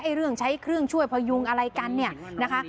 เรื่องใช้เครื่องช่วยพยุงอะไรกันเนี่ยนะคะ